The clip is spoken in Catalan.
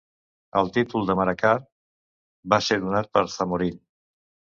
El títol de "Marakkar" va ser donat pel Zamorín.